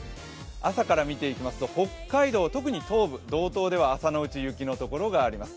朝から見ていきますと北海道、特に東部、道東では朝のうち雪の所があります。